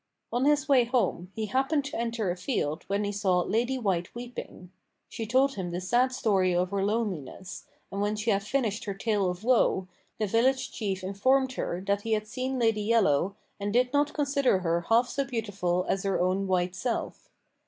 On his way home he happened to enter a field when he saw Lady White weeping. She told him the sad story of her loneliness, and when she had finished her tale of woe the village chief informed her that he had seen Lady Yellow and did not consider her half so beautiful as her own white self.